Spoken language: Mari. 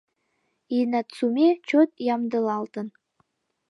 И Нацуме чот ямдылалтын.